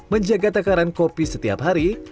menjaga takaran kopi setiap hari